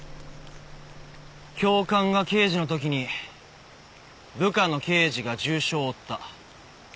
教官が刑事のときに部下の刑事が重傷を負った。